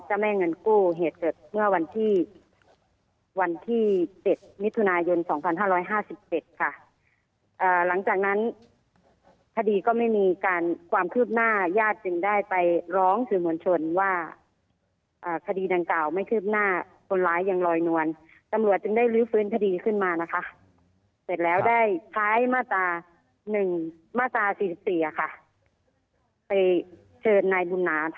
จะไม่เงินกู้เหตุเกิดเมื่อวันที่วันที่เจ็ดมิถุนายนสองพันห้าร้อยห้าสิบ